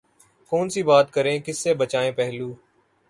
کون سی بات کریں کس سے بچائیں پہلو